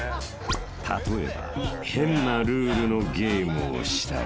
［例えば変なルールのゲームをしたり］